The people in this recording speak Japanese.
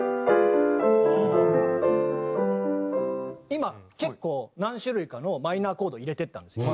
今結構何種類かのマイナーコードを入れていったんですよ。